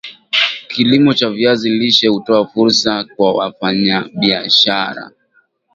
Kilimo cha viazi lishe hutoa fursa kwa wafanyabiashara